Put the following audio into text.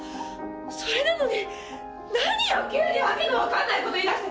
それなのに何よ急にわけのわかんない事言い出して！